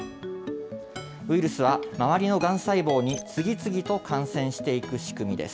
ウイルスは周りのがん細胞に次々と感染していく仕組みです。